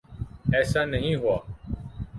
ایسا نہیں ہوا۔